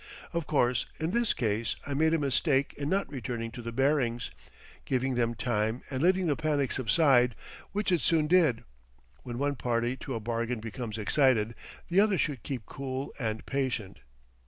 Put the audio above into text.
Of course in this case I made a mistake in not returning to the Barings, giving them time and letting the panic subside, which it soon did. When one party to a bargain becomes excited, the other should keep cool and patient.